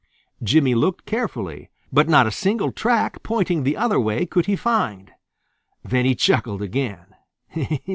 Jimmy looked carefully, but not a single track pointing the other way could he find. Then he chuckled again.